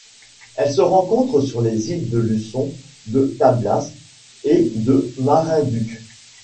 Elle se rencontre sur les îles de Luçon, de Tablas et de Marinduque.